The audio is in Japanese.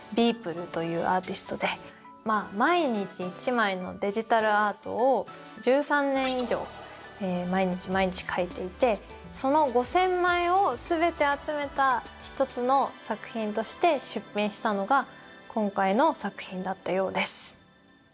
Ｂｅｅｐｌｅというアーティストで毎日１枚のデジタルアートを１３年以上毎日毎日描いていてその５，０００枚を全て集めた１つの作品として出品したのが今回の作品だったようです。